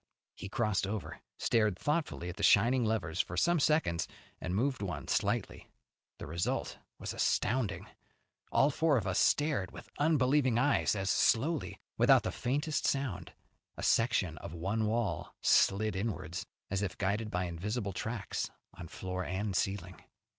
He crossed over, stared thoughtfully at the shining levers for some seconds, and moved one slightly. The result was astounding. All four of us stared with unbelieving eyes as slowly, without the faintest sound, a section of one wall slid inwards, as if guided by invisible tracks on floor and ceiling.